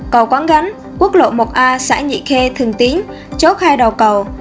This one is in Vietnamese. cầu quán gánh quốc lộ một a xã nhị khê thường tiến chốt hai đầu cầu